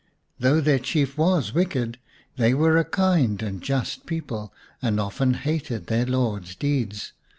Though their Chief was wicked they were a kind and just people, and often hated their lord's deeds.